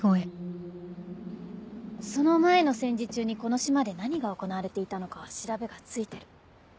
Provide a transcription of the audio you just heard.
その前の戦時中にこの島で何が行われていたのかは調べがついてる。